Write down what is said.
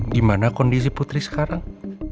gimana kondisi putri sekarang